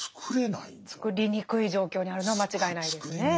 つくりにくい状況にあるのは間違いないですね。